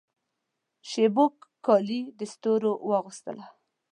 شېبو کالي د ستورو واغوستله